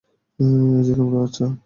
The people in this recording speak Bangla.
এই যে তোমার চা।